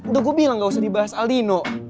udah gue bilang enggak usah dibahas alino